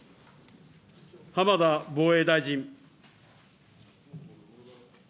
浜田防衛大臣。